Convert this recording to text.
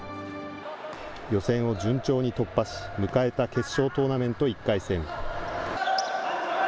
予選を順調に突破し、迎えた決勝トーナメント１回戦。